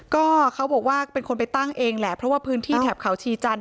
ก็เขาบอกว่าเป็นคนไปตั้งเองแหละเพราะว่าพื้นที่แถบเขาชีจันท